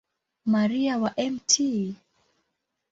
Maria wa Mt.